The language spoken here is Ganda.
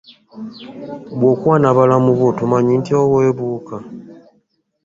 Bw'okwana balamu bo tomanyi nti oweebuuka?